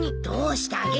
どうした？